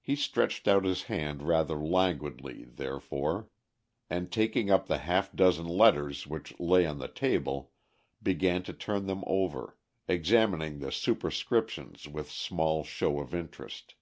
He stretched out his hand rather languidly, therefore, and taking up the half dozen letters which lay on the table, began to turn them over, examining the superscriptions with small show of interest.